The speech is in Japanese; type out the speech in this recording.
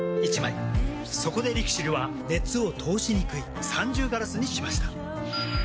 そこでＬＩＸＩＬは熱を通しにくい三重ガラスにしました。